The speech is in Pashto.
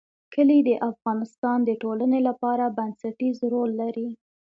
کلي د افغانستان د ټولنې لپاره بنسټيز رول لري.